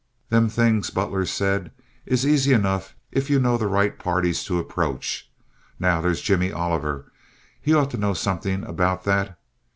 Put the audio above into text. "Them things," Butler said, "is easy enough if you know the right parties to approach. Now there's Jimmy Oliver—he ought to know something about that."